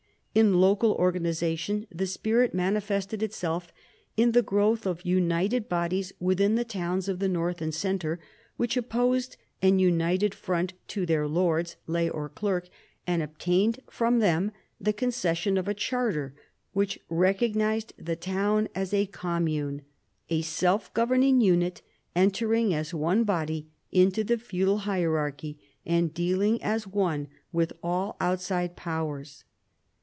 In local organisation the spirit manifested itself in the growth of united bodies within the towns of the north and centre which opposed an united front to their lords, lay or clerk, and obtained from them the concession of a charter which recognised the town as a commune, a self governing unit, entering as one body into the feudal hierarchy and dealing as one with all outside powers.